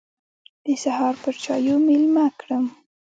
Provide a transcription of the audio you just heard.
د سهار پر چايو مېلمه کړم.